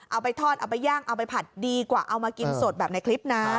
เอาไปทอดเอาไปย่างเอาไปผัดดีกว่าเอามากินสดแบบในคลิปนะ